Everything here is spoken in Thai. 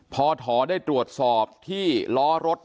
พอถอได้ตรวจสอบที่ล้อรถ